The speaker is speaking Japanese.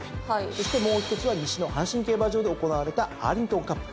そしてもう１つは西の阪神競馬場で行われたアーリントンカップ。